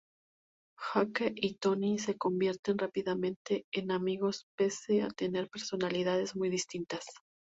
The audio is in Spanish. Jake y Tony se convierten rápidamente en amigos pese a tener personalidades muy distintas.